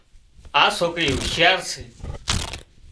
آ سوڪري هوشيار سي